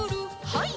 はい。